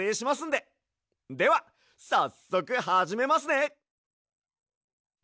ではさっそくはじめますね！